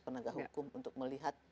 penegak hukum untuk melihat